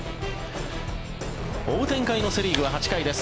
追う展開のセ・リーグは８回です。